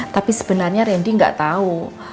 tapi sebenarnya randy enggak tahu